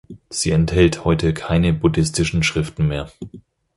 Sie enthält heute keine buddhistischen Schriften mehr.